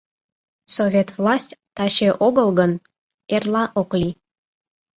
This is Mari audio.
Совет власть — таче огыл гын, эрла — ок лий.